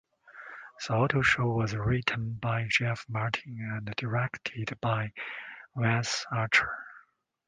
"The Otto Show" was written by Jeff Martin and directed by Wes Archer.